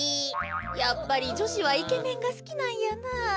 やっぱりじょしはイケメンがすきなんやなあ。